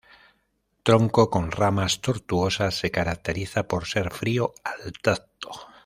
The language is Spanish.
Tronco con ramas tortuosas, se caracteriza por ser frío al tacto.